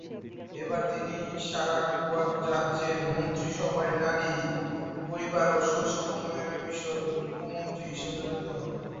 এবার তিনি সারাওয়াক রাজ্যের মন্ত্রিসভায় নারী, পরিবার ও শৈশব উন্নয়ন বিষয়ক উপমন্ত্রী হিসেবে নিযুক্ত হন।